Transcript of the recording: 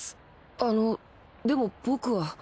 あのでも僕は。